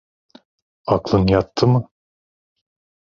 Aklın yattı mı?